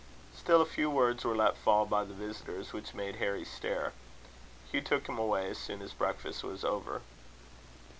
Still a few words were let fall by the visitors, which made Harry stare. Hugh took him away as soon as breakfast was over.